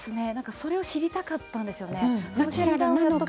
それを知りたかったんですよね。